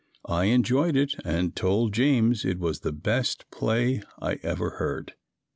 I enjoyed it and told James it was the best play I ever "heard."